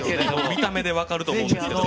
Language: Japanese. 見た目で分かると思うんですけど。